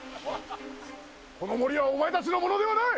この森はお前たちのものではない！